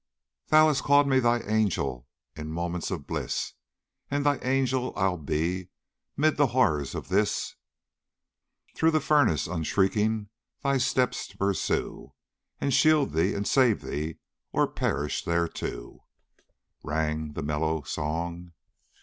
"Thou hast called me thy angel in moments of bliss, And thy angel I 'll be, 'mid the horrors of this Through the furnace, unshrinking, thy steps to pursue, And shield thee, and save thee or perish there too," rang the mellow song.